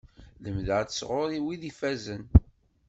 Lemdeɣ-d sɣur wid ifazen.